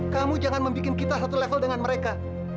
kamu jangan membuat kita satu level dengan mereka